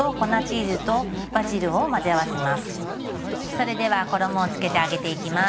それでは衣をつけて揚げていきます。